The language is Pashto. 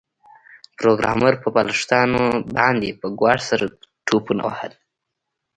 پروګرامر په بالښتونو باندې په ګواښ سره ټوپونه وهل